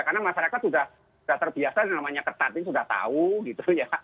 karena masyarakat sudah terbiasa yang namanya ketat ini sudah tahu gitu ya